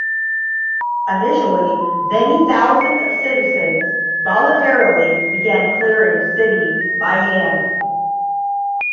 Initially many thousands of citizens voluntarily began clearing city by hand.